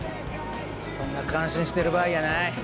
そんな感心してる場合やない。